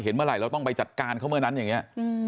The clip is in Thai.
เมื่อไหร่เราต้องไปจัดการเขาเมื่อนั้นอย่างนี้